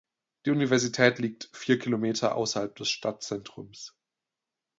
Die Universität liegt vier Kilometer außerhalb des Stadtzentrums.